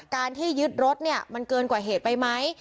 การที่ยึดรถเนี่ยมันเกินกว่าเหตุไปไหม